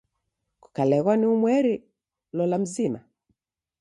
Kukaleghwa ni umweri, lola mzima.